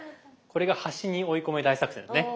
これが端に追い込め大作戦ね。